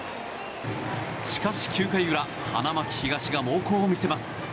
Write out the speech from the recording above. しかし、９回裏花巻東が猛攻を見せます。